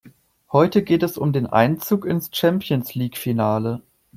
Heute geht es um den Einzug ins Champions-League-Finale.